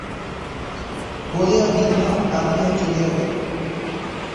বলিয়া বিভা কাঁদিয়া চলিয়া গেল।